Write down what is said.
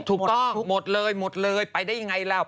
ถูกต้องหมดเลยหมดเลยไปได้ยังไงล่ะ